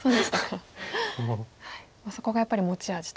そこがやっぱり持ち味と。